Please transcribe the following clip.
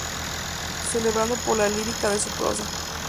Celebrado por la lírica de su prosa.